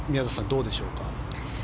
どうでしょうか。